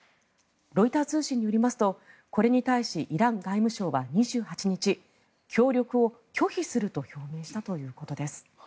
ロイター通信によりますとこれに対しイラン外務省は２８日協力を拒否すると表明したということです。